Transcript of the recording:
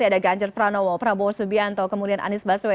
ada ganjar pranowo prabowo subianto kemudian anies baswedan